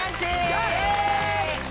イエイ！